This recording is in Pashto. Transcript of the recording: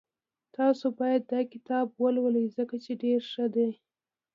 تاسو باید داکتاب ولولئ ځکه چی ډېر ښه ده